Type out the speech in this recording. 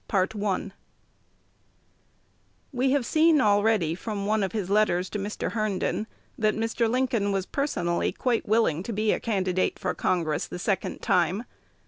CHAPTER XIV WE have seen already, from one of his letters to Mr. Herndon, that Mr. Lincoln was personally quite willing to be a candidate for Congress the second time.